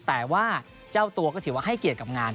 แต่ว่าเจ้าตัวก็ถือว่าให้เกียรติกับงาน